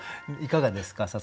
いかがですか？